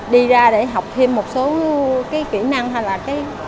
đi ra để học thêm một số cái kỹ năng hay là cái